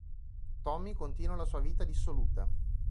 Tommy continua la sua vita dissoluta.